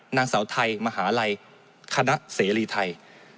นางสาวไทยมหาลัยคณะเสรีไทย